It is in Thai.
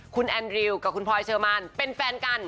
คุณแอนริวกับคุณพลอยเชอร์มานเป็นแฟนกัน